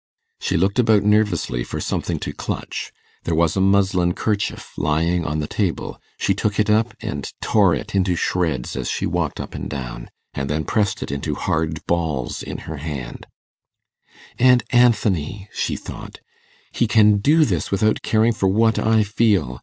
She looked about nervously for something to clutch. There was a muslin kerchief lying on the table; she took it up and tore it into shreds as she walked up and down, and then pressed it into hard balls in her hand. 'And Anthony,' she thought, 'he can do this without caring for what I feel.